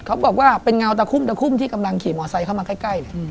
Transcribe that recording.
เขาบอกว่าเป็นเงาตะคุ่มตะคุ่มที่กำลังขี่มอไซค์เข้ามาใกล้เลย